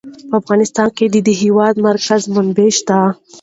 په افغانستان کې د د هېواد مرکز منابع شته.